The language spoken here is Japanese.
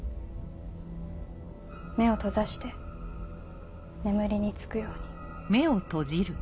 目を閉ざして眠りにつくように。